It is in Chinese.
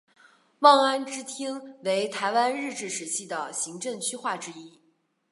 望安支厅为台湾日治时期的行政区划之一。